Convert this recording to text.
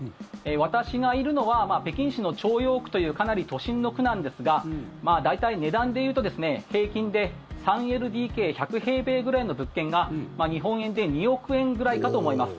私がいるのは北京市の朝陽区というかなり都心の区なんですが大体値段で言うと平均で３ＬＤＫ１００平米ぐらいの物件が日本円で２億円ぐらいかと思います。